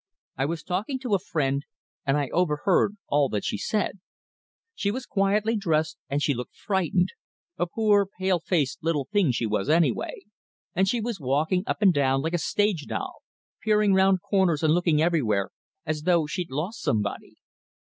I was talking to a friend, and I overheard all that she said. She was quietly dressed, and she looked frightened; a poor, pale faced little thing she was anyway, and she was walking up and down like a stage doll, peering round corners and looking everywhere, as though she'd lost somebody.